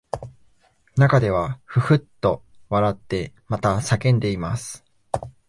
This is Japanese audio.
中ではふっふっと笑ってまた叫んでいます